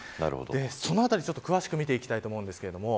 そのあたり詳しく見ていきたいと思います。